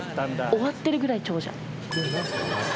終わってるぐらいの。